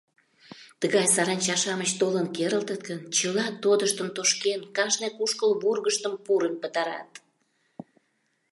Тыгай саранча-шамыч толын керылтыт гын, чыла тодыштын, тошкен, кажне кушкыл вургыштым пурын пытарат.